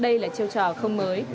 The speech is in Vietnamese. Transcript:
đây là chiêu trò không mới